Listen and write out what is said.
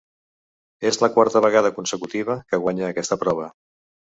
És la quarta vegada consecutiva que guanya aquesta prova.